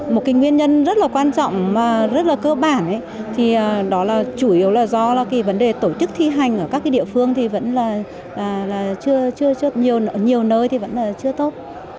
một cái nguyên nhân rất là quan trọng và rất là cơ bản thì đó là chủ yếu là do vấn đề tổ chức thi hành ở các địa phương thì vẫn là nhiều nơi thì vẫn là chưa tốt